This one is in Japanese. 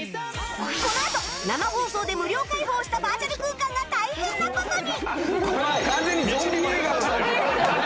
このあと生放送で無料開放したバーチャル空間が大変な事に！